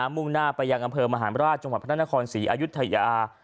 มุ่งหน้าไปยังอำเภอมหารราชจังหวัดพระนครศรีอายุทยา